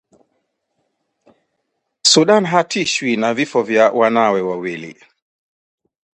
Sudana hatishwi na vifo vya wanawe wawili